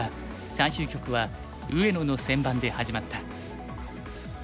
最終局は上野の先番で始まった。